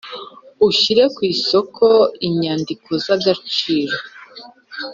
Ushyira ku isoko inyandiko z agaciro